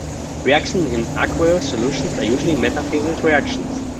Reactions in aqueous solutions are usually metathesis reactions.